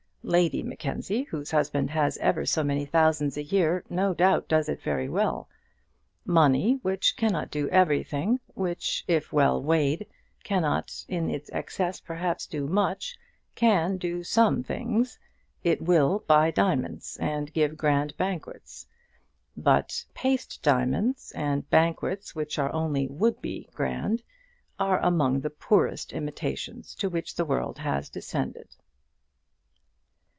Lady Mackenzie, whose husband has ever so many thousands a year, no doubt does it very well. Money, which cannot do everything, which, if well weighed, cannot in its excess perhaps do much, can do some things. It will buy diamonds and give grand banquets. But paste diamonds, and banquets which are only would be grand, are among the poorest imitations to which the world has descended.